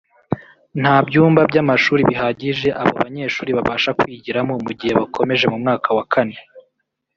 nta byumba by’amashuri bihagije abo banyeshuri babasha kwigiramo mu gihe bakomeje mu mwaka wa kane